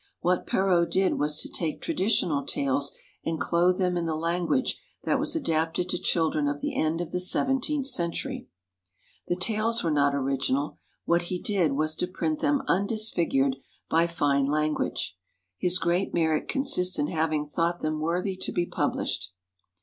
What Perrault did was to take traditional tales and clothe them in the language that was adapted to children of the end of the seventeenth century. The tales were not original ; what he did was to print them undisfigured by fine language. His great merit consists in having thought them worthy to be published.